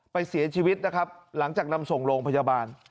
เสียชีวิตนะครับหลังจากนำส่งโรงพยาบาล